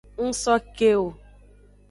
N so ke wo.